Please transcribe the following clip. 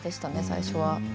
最初は。